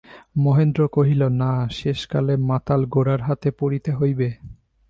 মহেন্দ্র কহিল, না, শেষকালে মাতাল গোরার হাতে পড়িতে হইবে?